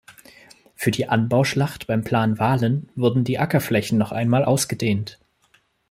Für die Anbauschlacht beim Plan Wahlen wurden die Ackerflächen noch einmal ausgedehnt.